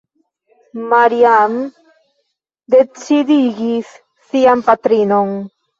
Maria-Ann decidigis sian patrinon.